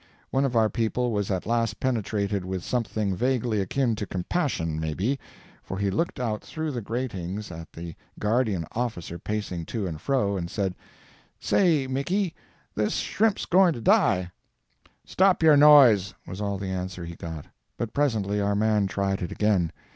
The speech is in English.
One of our people was at last penetrated with something vaguely akin to compassion, maybe, for he looked out through the gratings at the guardian officer pacing to and fro, and said: "Say, Mickey, this shrimp's goin' to die." "Stop your noise!" was all the answer he got. But presently our man tried it again.